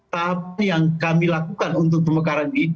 tapi yang kami lakukan untuk pemekaran ini